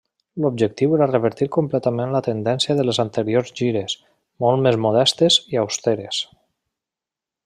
L'objectiu era revertir completament la tendència de les anteriors gires, molt més modestes i austeres.